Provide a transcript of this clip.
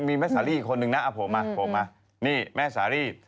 มีแม่สาลีอีกคนนึงนะเอาผมมาโผล่มานี่แม่สารีบ